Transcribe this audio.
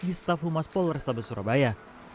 di staff humas pol restoran surabaya